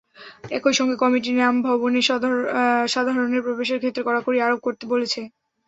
একই সঙ্গে committee NAM ভবনে সাধারণের প্রবেশের ক্ষেত্রে কড়াকড়ি আরোপ করতে বলেছে।